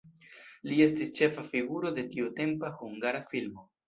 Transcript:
Li estis ĉefa figuro de tiutempa hungara filmo.